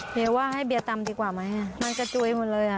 เดี๋ยวว่าให้เบียร์ตำดีกว่าไหมมันกระจุยหมดเลยอ่ะ